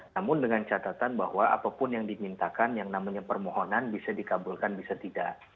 namun dengan catatan bahwa apapun yang dimintakan yang namanya permohonan bisa dikabulkan bisa tidak